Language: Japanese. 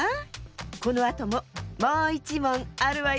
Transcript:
このあとももういちもんあるわよ。